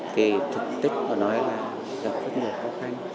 thì thực tích mà nói là gặp rất nhiều khó khăn